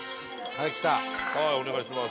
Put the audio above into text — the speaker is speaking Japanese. はいお願いします